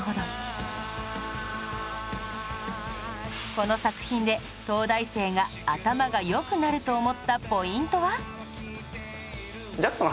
この作品で東大生が頭が良くなると思ったポイントは